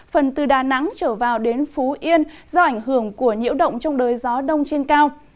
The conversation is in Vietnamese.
phần từ đà nẵng trở vào đến phú yên do ảnh hưởng của nhiễu động trong đới gió đông trên cao